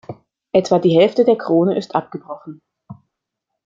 Etwa die Hälfte der Krone ist abgebrochen.